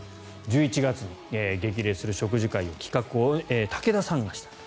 １１月に激励する食事会の企画を武田さんがしたと。